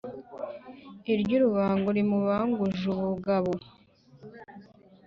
iry’urubango rimubanguje ubugabo.